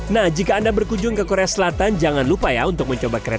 nah jika anda berkunjung ke korea selatan jangan lupa ya untuk mencoba kereta